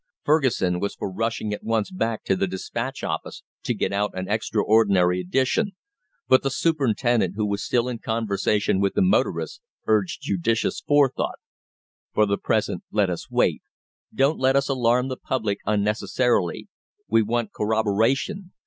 Fergusson was for rushing at once back to the "Dispatch" office to get out an extraordinary edition, but the superintendent, who was still in conversation with the motorist, urged judicious forethought. "For the present, let us wait. Don't let us alarm the public unnecessarily. We want corroboration.